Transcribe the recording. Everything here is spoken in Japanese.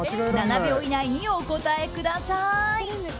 ７秒以内にお答えください。